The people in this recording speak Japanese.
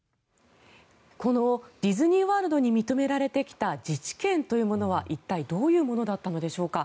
このディズニー・ワールドに認められてきた自治権というものは一体どういうものだったのでしょうか。